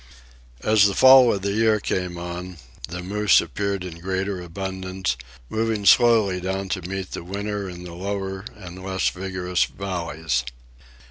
As the fall of the year came on, the moose appeared in greater abundance, moving slowly down to meet the winter in the lower and less rigorous valleys.